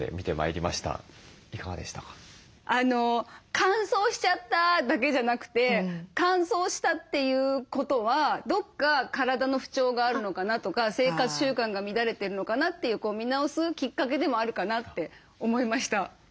乾燥しちゃっただけじゃなくて乾燥したということはどっか体の不調があるのかなとか生活習慣が乱れてるのかなという見直すきっかけでもあるかなって思いました。